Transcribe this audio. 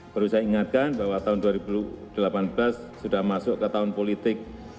perlu saya ingatkan bahwa tahun dua ribu delapan belas sudah masuk ke tahun politik